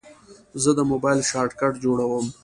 زه د موبایل شارټکټ جوړوم.